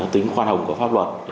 tính khoan hồng của pháp luật